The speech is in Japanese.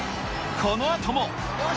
このあとも。